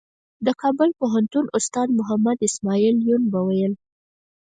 د کابل پوهنتون استاد محمد اسمعیل یون به ویل.